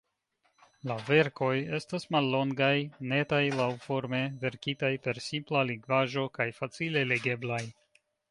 La verkoj estas mallongaj, netaj laŭforme, verkitaj per simpla lingvaĵo kaj facile legeblaj.